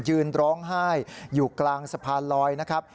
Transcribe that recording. ยืนร้องไห้อยู่กลางสะพานลอยนะครับ